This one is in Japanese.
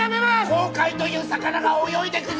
後悔という魚が泳いでいくぞ！